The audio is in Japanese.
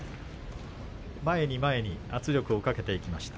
前に前に圧力をかけていきました。